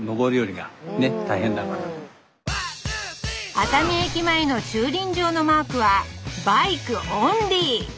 熱海駅前の駐輪場のマークはバイクオンリー！